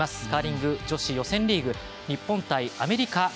カーリング女子予選リーグ日本対アメリカ。